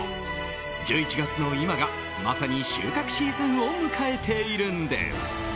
１１月の今がまさに収穫シーズンを迎えているんです。